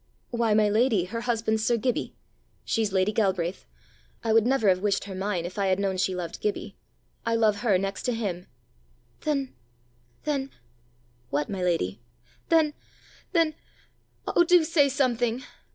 "Why, my lady, her husband's sir Gibbie! She's lady Galbraith! I would never have wished her mine if I had known she loved Gibbie. I love her next to him." "Then then " "What, my lady?" "Then then Oh, do say something!"